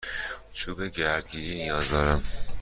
چوب گردگیری نیاز دارم.